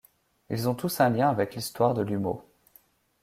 Ils ont tous un lien avec l'histoire de Lumeau.